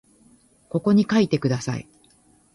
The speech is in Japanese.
ここに書いてください